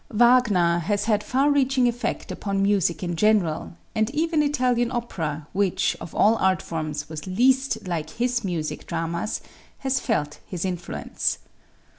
Wagner has had far reaching effect upon music in general, and even Italian opera, which, of all art forms, was least like his music dramas, has felt his influence.